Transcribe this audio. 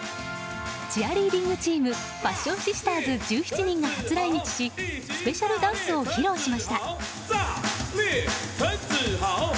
チアリーディングチームＰａｓｓｉｏｎＳｉｓｔｅｒｓ１７人が初来日しスペシャルダンスを披露しました。